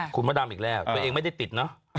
คุณมดรามอีกแรกตัวเองไม่ได้ติดนะ